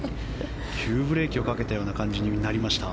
急ブレーキをかけたような形になりました。